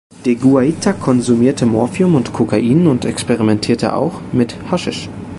De Guaita konsumierte Morphium und Kokain und experimentierte auch mit Haschisch.